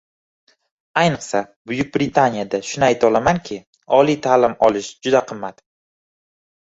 Ayniqsa, Buyuk Britaniyada, shuni aytolamanki, oliy taʼlim olish juda qimmat.